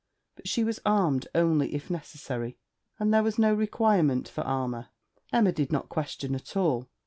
But she was armed only if necessary, and there was no requirement for armour. Emma did not question at all.